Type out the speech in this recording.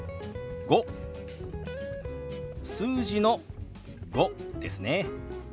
数字の「５」ですね。